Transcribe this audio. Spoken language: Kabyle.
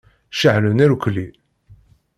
Ceɛlen irkulli.